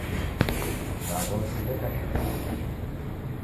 W'aghosi w'eka shighadi.